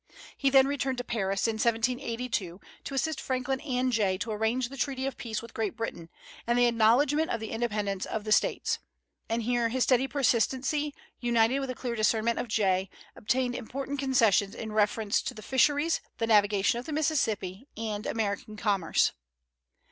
He then returned to Paris, in 1782, to assist Franklin and Jay to arrange the treaty of peace with Great Britain, and the acknowledgment of the independence of the States; and here his steady persistency, united with the clear discernment of Jay, obtained important concessions in reference to the fisheries, the navigation of the Mississippi, and American commerce.